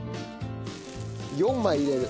４枚入れる。